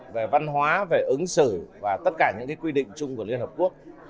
về văn hóa về ứng xử và tất cả những quy định chung của liên hợp quốc